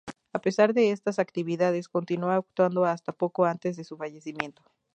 A pesar de estas actividades, continuó actuando hasta poco antes de su fallecimiento.